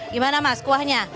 gimana mas kuahnya